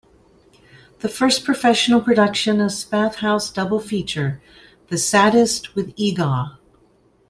The first professional production of Splathouse Double Feature: The Sadist with Eegah!